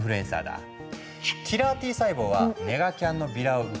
キラーＴ細胞はネガキャンのビラを受け取り